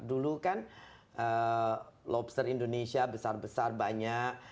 dulu kan lobster indonesia besar besar banyak